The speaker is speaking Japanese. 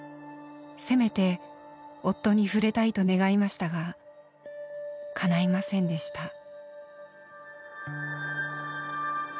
せめて夫に触れたいと願いましたがかないませんでした。